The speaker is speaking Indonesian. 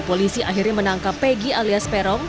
polisi akhirnya menangkap peggy alias perong